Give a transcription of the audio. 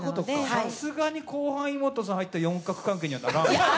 さすがに後輩にイモトさんが入って四角関係にはならないか。